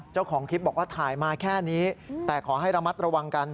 เจ้าของคลิปบอกว่าถ่ายมาแค่นี้แต่ขอให้ระมัดระวังกัน